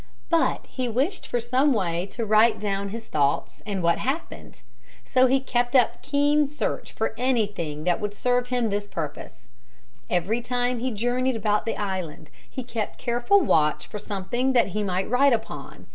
But he wished for some way to write down his thoughts and what happened. So he kept up keen search for anything that would serve him for this purpose. Every time he journeyed about the island he kept careful watch for something that he might write upon.